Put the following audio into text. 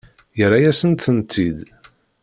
Yerra-yasent-tent-id.